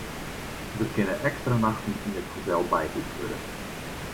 Der kinne ekstra nachten yn it hotel byboekt wurde.